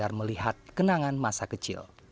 agar melihat kenangan masa kecil